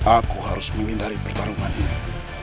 aku harus menghindari pertarungan ini